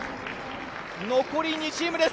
残り２チームです。